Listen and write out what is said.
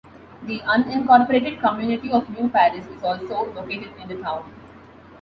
The unincorporated community of New Paris is also located in the town.